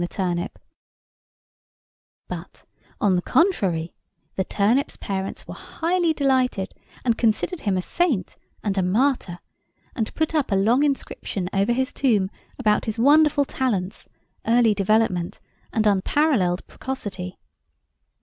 [Picture: The turnip] But, on the contrary, the turnip's parents were highly delighted, and considered him a saint and a martyr, and put up a long inscription over his tomb about his wonderful talents, early development, and unparalleled precocity.